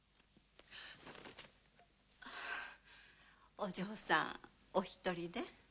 お嬢さんお一人で？